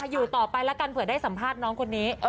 อยู่ต่อไปแล้วกันเผื่อได้สัมภาษณ์น้องคนนี้